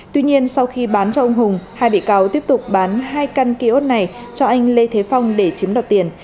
tuy nhiên sau khi bán cho ông hùng hai bị cáo tiếp tục bán hai căn kiosk này cho anh lê thế phong để chiếm đoạt tiền